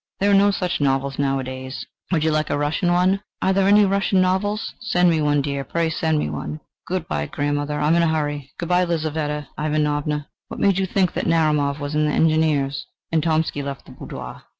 "There are no such novels nowadays. Would you like a Russian one?" "Are there any Russian novels? Send me one, my dear, pray send me one!" "Good bye, grandmother: I am in a hurry... Good bye, Lizaveta Ivanovna. What made you think that Narumov was in the Engineers?" And Tomsky left the boudoir.